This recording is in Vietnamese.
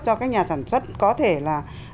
do các nhà sản xuất có thể là